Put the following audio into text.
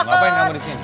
ngapain kamu disini